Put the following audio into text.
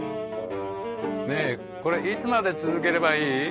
ねえこれいつまで続ければいい？